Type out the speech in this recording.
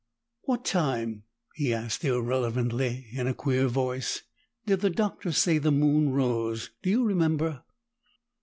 "What time," he asked irrelevantly in a queer voice, "did the Doctor say the moon rose? Do you remember?"